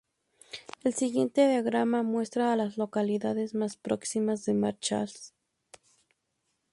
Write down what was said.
El siguiente diagrama muestra a las localidades más próximas a Marshall.